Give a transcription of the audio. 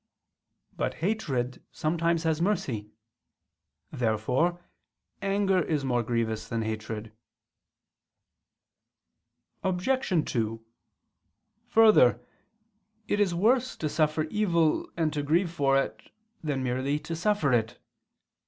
But hatred sometimes has mercy. Therefore anger is more grievous than hatred. Obj. 2: Further, it is worse to suffer evil and to grieve for it, than merely to suffer it.